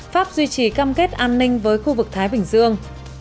pháp duy trì cam kết an ninh với khu vực thái bình dương